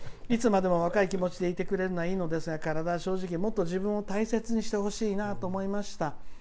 いつまでも若い気持ちでいてくれるのはいいのですがもっと体を大切にしてほしいなと思いました。